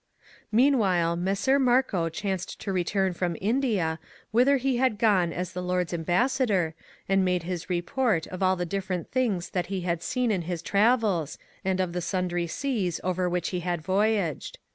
^ Meanwhile Messer Marco chanced to return from India, whither he had gone as the Lord's ambassador, and made his report of all the differeni things that he had seen in his travels, and of the sundry seas over which he had voyaged.